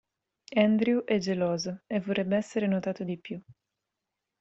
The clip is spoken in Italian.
Andrew è geloso, e vorrebbe essere notato di più.